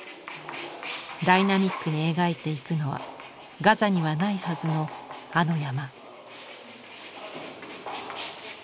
ダイナミックに描いていくのはガザにはないはずのあの山。